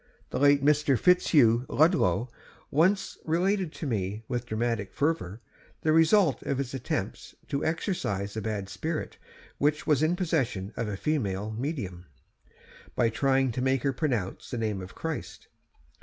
The late Mr. FitzHugh Ludlow once related to me, with dramatic fervour, the result of his attempts to exorcise a bad spirit which was in possession of a female 'medium,' by trying to make her pronounce the name of Christ.